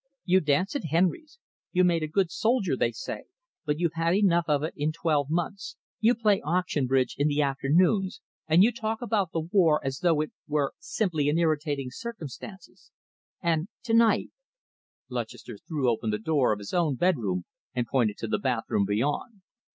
You dance at Henry's; you made a good soldier, they said, but you'd had enough of it in twelve months; you play auction bridge in the afternoons; and you talk about the war as though it were simply an irritating circumstance. And to night " Lutchester threw open the door of his own bedroom and pointed to the bathroom beyond.